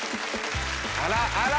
あらあら。